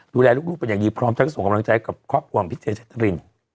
ดูแลลูกเป็นอย่างดีพร้อมทั้งส่งกำลังใจกับครอบครัวของพี่เจชัตริน